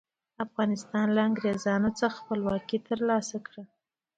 افغانستان له انګریزانو څخه خپلواکي تر لاسه کړه.